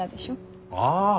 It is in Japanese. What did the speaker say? ああ。